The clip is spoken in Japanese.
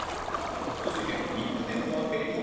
続いてニックネームは「べりん」